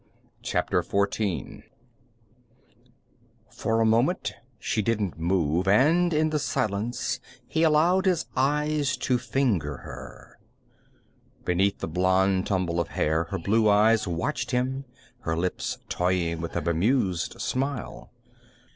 CHAPTER FOURTEEN For a moment, she didn't move and, in the silence, he allowed his eyes to finger her. Beneath the blond tumble of hair, her blue eyes watched him, her lips toying with a bemused smile.